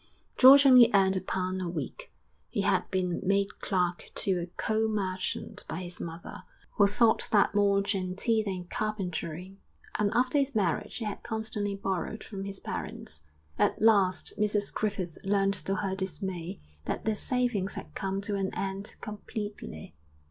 George only earned a pound a week he had been made clerk to a coal merchant by his mother, who thought that more genteel than carpentering and after his marriage he had constantly borrowed from his parents. At last Mrs Griffith learnt to her dismay that their savings had come to an end completely.